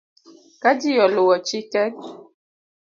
Ka ji oluwo chikeg